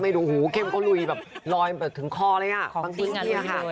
ไม่รู้ค่ะฮู้เข้มก็ลุยแบบรอยถึงคอเลยนะ